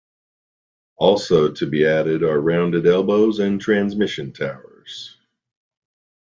Also to be added are rounded elbows and transmission towers.